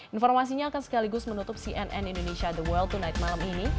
informasinya akan sekaligus menutup cnn indonesia the world tonight malam ini